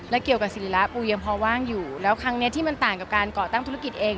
เกี่ยวกับศิริระปูยังพอว่างอยู่แล้วครั้งนี้ที่มันต่างกับการก่อตั้งธุรกิจเอง